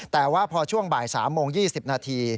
แต่ว่าพอช่วงบ่าย๓โมง๒๐นาที